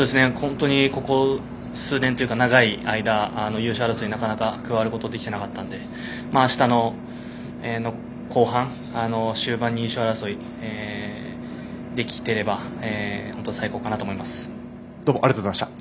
ここ数年というか長い間、優勝争いになかなか加わることができてなかったのであしたの後半、終盤に優勝争いができていればありがとうございました。